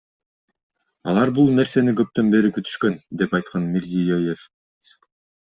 Алар бул нерсени көптөн бери күтүшкөн, — деп айткан Мирзиёев.